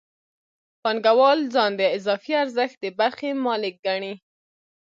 پانګوال ځان د اضافي ارزښت د برخې مالک ګڼي